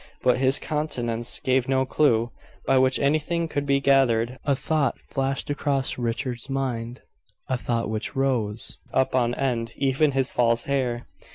But his countenance gave no clue by which anything could be gathered. A thought flashed across Richard's mind; a thought which rose up on end even his false hair.